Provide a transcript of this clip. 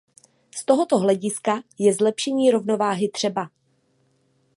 Z tohoto hlediska je zlepšení rovnováhy třeba.